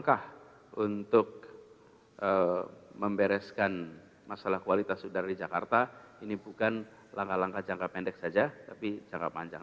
apakah untuk membereskan masalah kualitas udara di jakarta ini bukan langkah langkah jangka pendek saja tapi jangka panjang